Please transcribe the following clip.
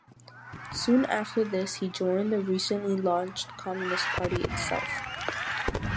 Soon after this he joined the recently launched Communist Party itself.